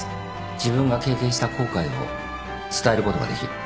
自分が経験した後悔を伝えることができる。